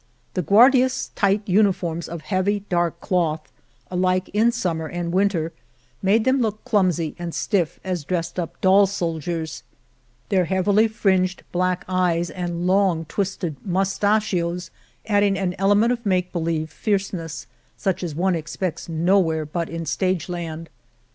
The Guardias* tight uniforms of heavy, dark cloth (alike in summer and winter) made them look clumsy and stiff as dressed up doll soldiers, their heavily 196 The Morena fringed black eyes and long twisted mus tachios adding an element of make believe fierceness such as one expects nowhere but in stageland.